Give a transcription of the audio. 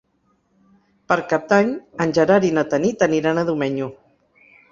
Per Cap d'Any en Gerard i na Tanit aniran a Domenyo.